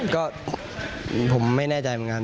ก็ผมไม่แน่ใจเหมือนกัน